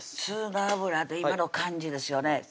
普通の油で今の感じですよね